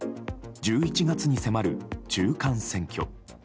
１１月に迫る中間選挙。